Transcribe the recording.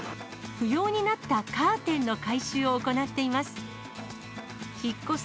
不要になったカーテンの回収を行っています。